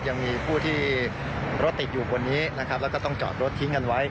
ยังมีผู้ที่รถติดอยู่บนนี้นะครับแล้วก็ต้องจอดรถทิ้งกันไว้